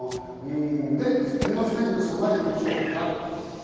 それでは年末年始の備えを見ましょう。